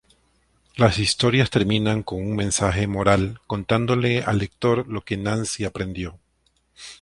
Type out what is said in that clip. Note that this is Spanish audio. Las historias terminan con un mensaje moral contándole al lector lo que Nancy aprendió.